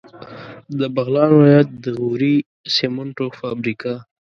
د بغلان ولایت د غوري سیمنټو فابریکه